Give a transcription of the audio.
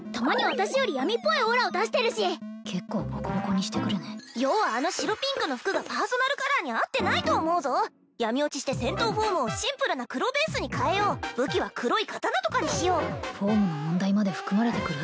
私より闇っぽいオーラを出してるし結構ボコボコにしてくるね余はあの白ピンクの服がパーソナルカラーに合ってないと思うぞ闇墜ちして戦闘フォームをシンプルな黒ベースに変えよう武器は黒い刀とかにしようフォームの問題まで含まれてくる？